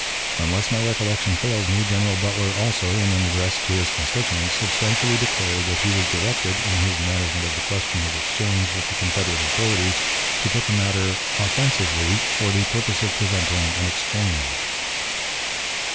Unless my recollection fails me, General Butler also, in an address to his constituents, substantially declared that he was directed, in his management of the question of exchange with the Confederate authorities, to put the matter offensively, for the purpose of preventing an exchange."